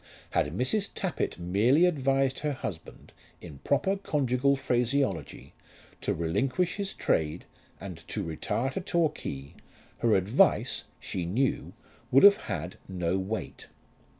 Had Mrs. Tappitt merely advised her husband, in proper conjugal phraseology, to relinquish his trade and to retire to Torquay, her advice, she knew, would have had no weight.